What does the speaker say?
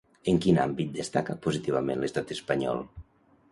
En quin àmbit destaca positivament l'estat espanyol?